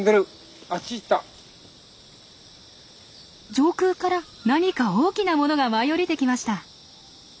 上空から何か大きな物が舞い降りてきました。